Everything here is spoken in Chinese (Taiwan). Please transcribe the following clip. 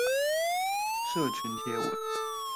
社群貼文